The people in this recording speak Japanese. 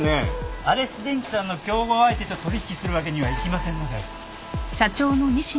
アレス電機さんの競合相手と取引するわけにはいきませんので。